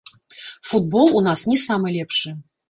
Футбол у нас не самы лепшы.